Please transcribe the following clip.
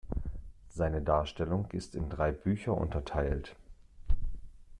Seine Darstellung ist in drei Bücher unterteilt.